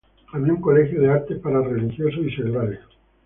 Había un colegio de artes para religiosos y seglares.